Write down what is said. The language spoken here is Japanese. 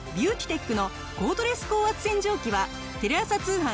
テックのコードレス高圧洗浄機はテレ朝通販